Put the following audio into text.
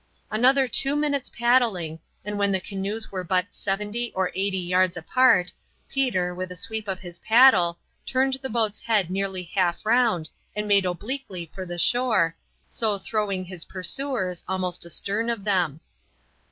Another two minutes' paddling, and when the canoes were but seventy or eighty yards apart, Peter, with a sweep with his paddle, turned the boat's head nearly half round and made obliquely for the shore, so throwing his pursuers almost astern of him.